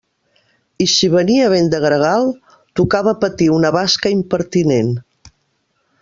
I si venia vent de gregal, tocava patir una basca impertinent.